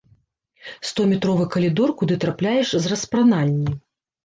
Стометровы калідор, куды трапляеш з распранальні.